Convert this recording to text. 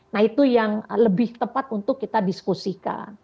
nah itu yang lebih tepat untuk kita diskusikan